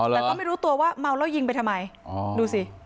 แต่ก็ไม่รู้ตัวว่าเมาแล้วยิงไปทำไมดูสิ